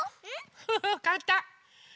フフかんたん。